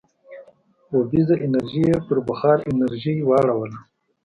اوبیزه انرژي یې پر بخار انرژۍ واړوله.